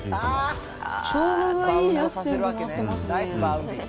あー、しょうががいいアクセントになってますね。